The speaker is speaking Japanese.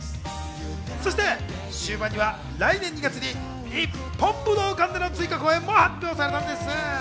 そして終盤には来年２月に日本武道館での追加公演も発表されたんです。